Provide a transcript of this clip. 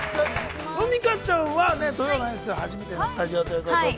海荷ちゃんは「土曜はナニする！？」は初めてのスタジオということで。